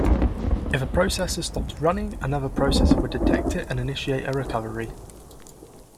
If a processor stopped running, another processor would detect it and initiate a recovery.